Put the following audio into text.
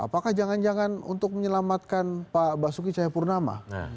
apakah jangan jangan untuk menyelamatkan pak basuki cahayapurnama